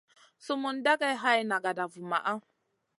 Sumun dagey hay nagada vumaʼa.